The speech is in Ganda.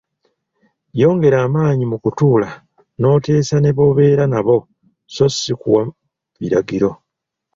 Yongera amaanyi mu kutuula n'oteesa ne b'obeera nabo sso si kuwa biragiro.